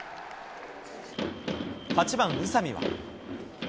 ８番宇佐見は。